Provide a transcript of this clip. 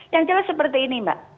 yang jelas seperti ini mbak